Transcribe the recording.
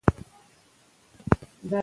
تعلیم د نوښت علم او تجربې پراخوي.